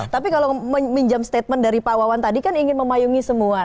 tapi kalau minjam statement dari pak wawan tadi kan ingin memayungi semua